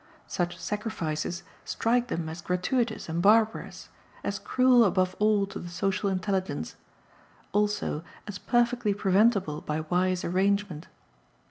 Such sacrifices strike them as gratuitous and barbarous, as cruel above all to the social intelligence; also as perfectly preventable by wise arrangement.